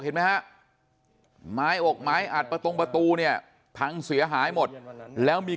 เห็นไหมฮะไม้อกไม้อัดประตงประตูเนี่ยพังเสียหายหมดแล้วมี